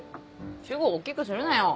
主語を大っきくするなよ。